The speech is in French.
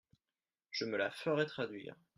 Je me la ferai traduire…